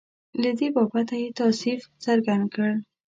له دې بابته یې تأسف څرګند کړ.